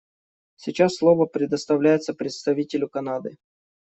Сейчас слово предоставляется представителю Канады.